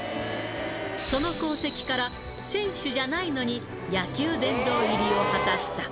その功績から、選手じゃないのに野球殿堂入りを果たした。